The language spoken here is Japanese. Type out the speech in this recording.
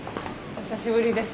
お久しぶりです。